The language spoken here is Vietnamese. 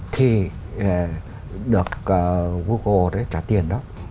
thì được google trả tiền đó